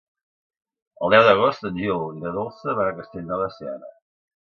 El deu d'agost en Gil i na Dolça van a Castellnou de Seana.